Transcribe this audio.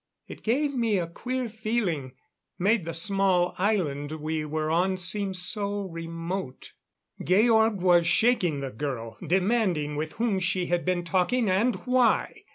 It gave me a queer feeling made the small island we were on seem so remote. Georg was shaking the girl, demanding with whom she had been talking and why.